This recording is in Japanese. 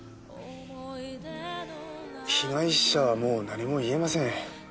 被害者はもう何も言えません。